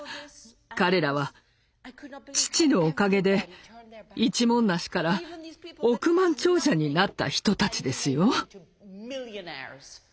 彼らは父のおかげで一文無しから億万長者になった人たちですよ。